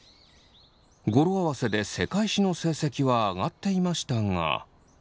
語呂合わせで世界史の成績は上がっていましたが。